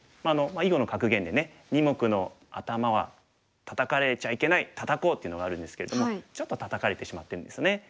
囲碁の格言でね二目のアタマはタタかれちゃいけないタタこうっていうのがあるんですけれどもちょっとタタかれてしまってるんですよね。